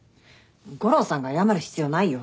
悟郎さんが謝る必要ないよ。